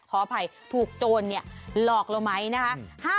ขออภัยถูกโจรเนี่ยหลอกแล้วไหมนะคะ